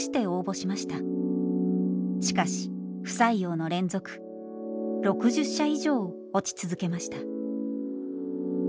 しかし不採用の連続６０社以上落ち続けました。